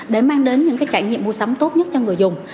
để mang đến những trải nghiệm mua sắm tốt nhất cho người dùng